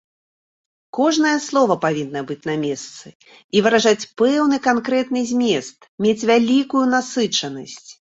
Кожнае слова павінна быць на месцы і выражаць пэўны канкрэтны змест, мець вялікую насычанасць.